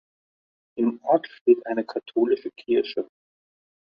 Im Ort steht eine katholische Kirche.